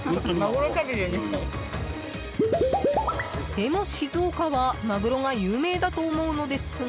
でも、静岡はマグロが有名だと思うのですが。